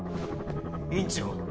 院長